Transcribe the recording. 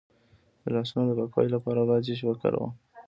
د لاسونو د پاکوالي لپاره باید څه شی وکاروم؟